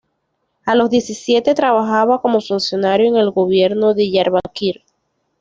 A los diecisiete trabajaba como funcionario en el gobierno Diyarbakır.